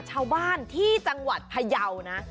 ชาวบ้านที่จังหวัดพยาวนะ